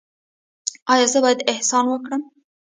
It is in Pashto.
ایا زه باید احسان وکړم؟